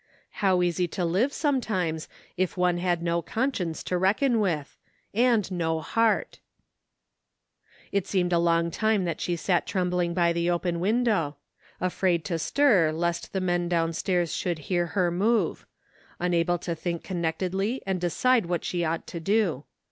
How easy to live sometimes if one had no conscience to reckon with— and no heart ! It seemed a long time that she sat trembling by the open window, afraid to stir lest the men downstairs should hear her move ; unable to think connectedly and decide what she ought to do.